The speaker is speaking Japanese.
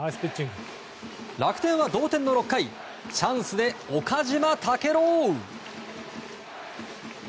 楽天は同点の６回チャンスで岡島豪郎。